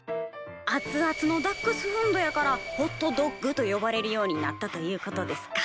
熱々のダックスフンドやからホットドッグと呼ばれるようになったということですか。